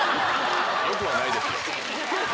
よくはないですよ。